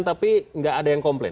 tapi nggak ada yang komplain